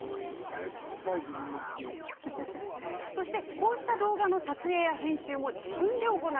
こうした動画の撮影、編集も自分で。